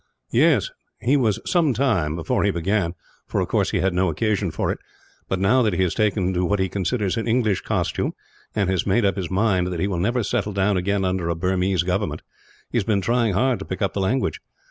"Yes; he was some time before he began for, of course, he had no occasion for it; but now that he has taken to what he considers an English costume, and has made up his mind that he will never settle down again under a Burmese government, he has been trying hard to pick up the language.